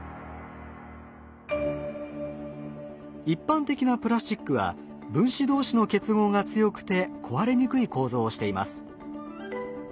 一般的なプラスチックは分子同士の結合が強くて壊れにくい構造をしています。